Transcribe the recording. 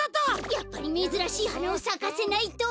やっぱりめずらしいはなをさかせないと！